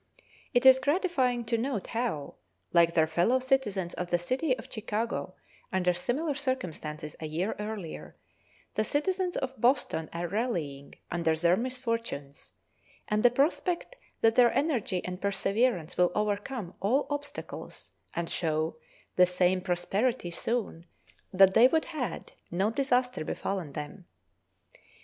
It is gratifying to note how, like their fellow citizens of the city of Chicago under similar circumstances a year earlier, the citizens of Boston are rallying under their misfortunes, and the prospect that their energy and perseverance will overcome all obstacles and show the same prosperity soon that they would had no disaster befallen them.